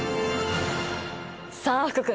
さあ福君！